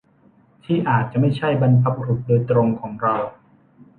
ที่อาจจะไม่ใช่บรรพบุรุษโดยตรงของเรา